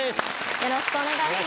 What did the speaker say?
よろしくお願いします。